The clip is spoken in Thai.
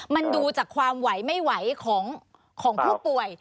มันดูจากความไหวไม่ไหวของผู้ป่วย